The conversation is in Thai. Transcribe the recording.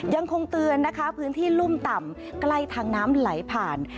ยังคงเตือนนะคะพื้นที่รุ่มต่ำใกล้ทางน้ำไหลผ่าน